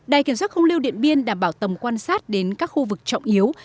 đài kiểm soát không lưu điện biên đảm bảo tầm quan sát đến các khu vực trọng yếu